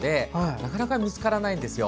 なかなか見つからないんですよ。